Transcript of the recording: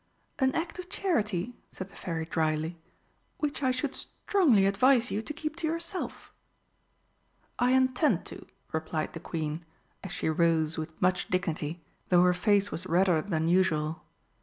"An act of charity," said the Fairy drily, "which I should strongly advise you to keep to yourself." "I intend to," replied the Queen, as she rose with much dignity, though her face was redder than usual.